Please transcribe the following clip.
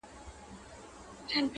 ګل د ګلاب بوی د سنځلي؛